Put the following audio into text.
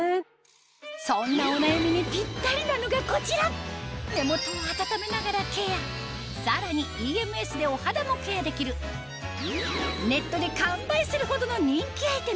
そんなお悩みに目元を温めながらケアさらにＥＭＳでお肌もケアできるネットで完売するほどの人気アイテム